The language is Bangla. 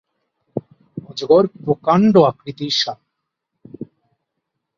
অজগর প্রকান্ড আকৃতির সাপ।